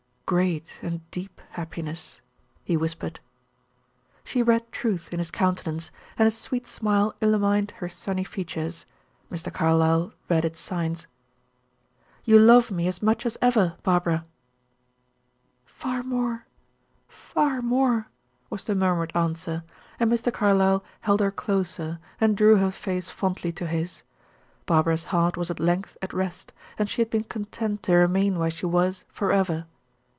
"Great and deep happiness," he whispered. She read truth in his countenance, and a sweet smile illumined her sunny features. Mr. Carlyle read its signs. "You love me as much as ever, Barbara!" "Far more, far more," was the murmured answer, and Mr. Carlyle held her closer, and drew her face fondly to his. Barbara's heart was at length at rest, and she had been content to remain where she was forever.